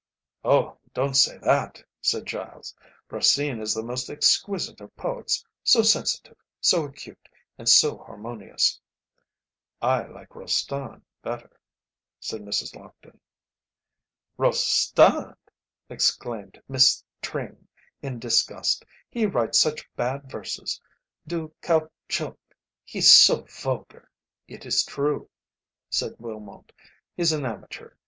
"Oh! don't say that," said Giles, "Racine is the most exquisite of poets, so sensitive, so acute, and so harmonious." "I like Rostand better," said Mrs. Lockton. "Rostand!" exclaimed Miss Tring, in disgust, "he writes such bad verses du caoutchouc he's so vulgar." "It is true," said Willmott, "he's an amateur.